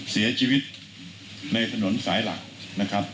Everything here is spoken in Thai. เสียชีวิตในถนนสายหลักนะครับ